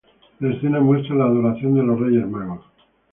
La escena muestra la Adoración de los Reyes Magos.